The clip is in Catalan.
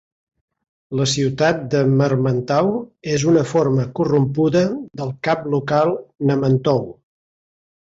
La ciutat de Mermentau és una forma corrompuda del cap local "Nementou".